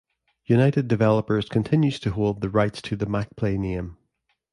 United Developers continues to hold the rights to the MacPlay name.